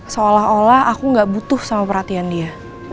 seolah olah aku nggak butuh sama perhatian dia